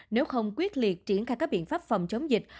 nếu không quyết liệt triển khai các biện pháp phòng chống dịch